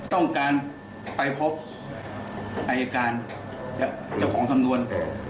ต้องการไปพบอายการและเจ้าของสำนวน